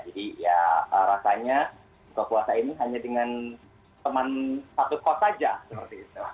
jadi ya rasanya buka puasa ini hanya dengan teman satu kos saja